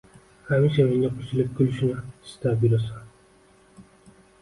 hamisha menga qo‘shilib kulishni istab yurasan.